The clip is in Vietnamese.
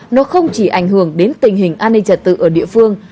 nó không chỉ ảnh hưởng đến tình hình an ninh trật tự ở địa phương